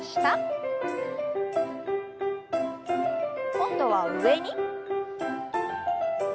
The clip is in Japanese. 今度は上に。